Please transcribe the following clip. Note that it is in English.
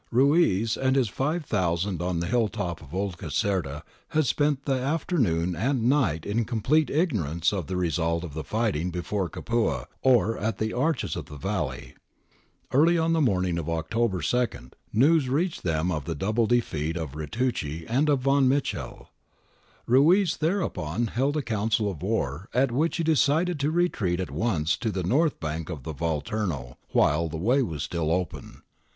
Ruiz and his five thousand on the hill top of Old Caserta had spent the afternoon and night in complete ignorance of the re sult of the fighting before Capua or at the Arches of the Valley. Early on the morning of October 2 news reached them of the double defeat of Ritucci and of Von Mechel. Ruiz thereupon held a Council of War at which he de cided to retreat at once to the north bank of the Volturno, while the way was still open.